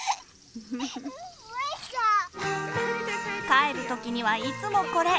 帰るときにはいつもこれ！